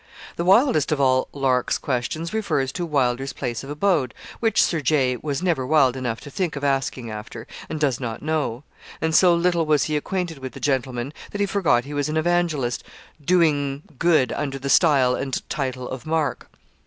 The wildest of all Lark's questions refers to Wylder's place of abode, which Sir J. was never wild enough to think of asking after, and does not know; and so little was he acquainted with the gentleman, that he forgot he was an evangelist doing good under the style and title of Mark.